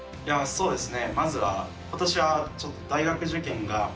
そうですね。